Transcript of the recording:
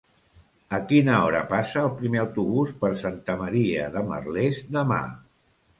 A quina hora passa el primer autobús per Santa Maria de Merlès demà?